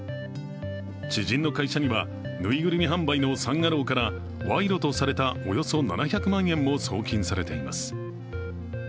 知人の会社には、ぬいぐるみ販売のサン・アローから賄賂とされたおよそ７００万円も送金されています。